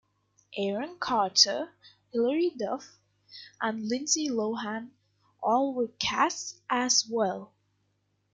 Aaron Carter, Hilary Duff and Lindsay Lohan all were cast as well.